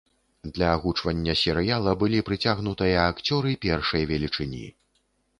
Для агучвання серыяла былі прыцягнутыя акцёры першай велічыні.